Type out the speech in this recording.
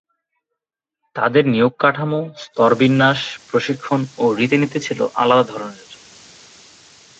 তাদের নিয়োগ কাঠামো, স্তরবিন্যাস, প্রশিক্ষণ ও রীতিনীতি ছিল আলাদা ধরনের।